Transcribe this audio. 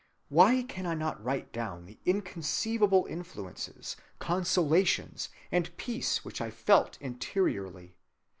Why can I not write down the inconceivable influences, consolations, and peace which I felt interiorly?